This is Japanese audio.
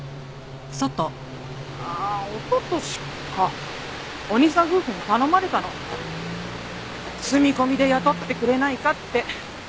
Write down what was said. あっおととしかお兄さん夫婦に頼まれたの住み込みで雇ってくれないかって。